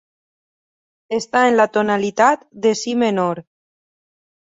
Està en la tonalitat de si menor.